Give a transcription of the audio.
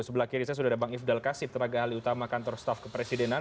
sebelah kiri saya sudah ada bang ifdal kasid tenaga ahli utama kantor staf kepresidenan